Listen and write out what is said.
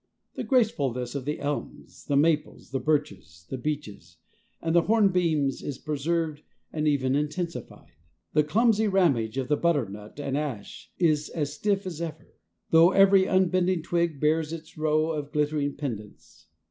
The gracefulness of the elms, the maples, the birches, the beeches, and the hornbeams is preserved and even intensified; the clumsy ramage of the butternut and ash is as stiff as ever, though every unbending twig bears its row of glittering pendants.